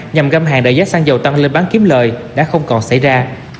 nhằm găm hàng đẩy giá xăng dầu tăng lên bán kiếm lời đã không còn xảy ra